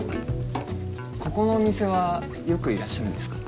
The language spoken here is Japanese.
ここの店はよくいらっしゃるんですか？